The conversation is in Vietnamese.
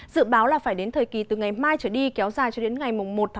dự báo là phải đến thời kỳ từ ngày mai trở đi kéo dài cho đến ngày một một hai nghìn một mươi bảy